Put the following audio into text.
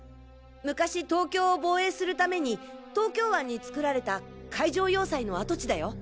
昔東京を防衛する為に東京湾に作られた海上要塞の跡地だよ。